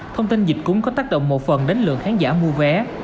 thông tin dịch cúng có tác động một phần đến lượng khán giả mua vé